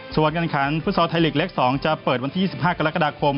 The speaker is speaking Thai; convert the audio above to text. ส่วนการขันฟุตซอลไทยลีกเล็ก๒จะเปิดวันที่๒๕กรกฎาคม